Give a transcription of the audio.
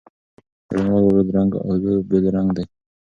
ګډونوالو وویل، رنګ "اولو" بېل رنګ دی.